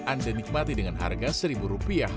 anda nikmati dengan harga seribu rupiah